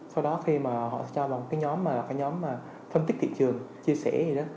sau đó khi mà họ sẽ cho vào một cái nhóm mà là cái nhóm mà phân tích thị trường chia sẻ gì đó